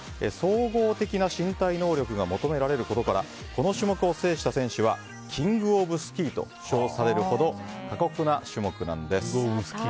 総合的な身体能力が求められることからこの種目を制した選手はキングオブスキーと称されるほど過酷な種目です。